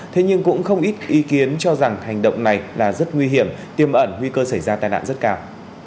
thế nhưng cũng không ít ý kiến cho rằng hành động này là rất nguy hiểm tiêm ẩn nguy cơ xảy ra tai nạn rất cao